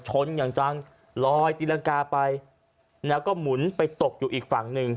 ชนอย่างจังลอยตีรังกาไปแล้วก็หมุนไปตกอยู่อีกฝั่งหนึ่ง